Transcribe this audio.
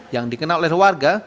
yang dikenal oleh keluarga